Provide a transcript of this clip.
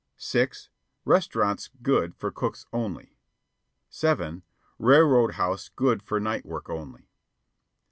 (6) Restaurants good for cooks only. (7) Railroad House good for night work only.